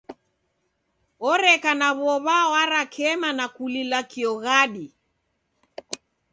Oreka na w'ow'a warakema na kulila kioghadi.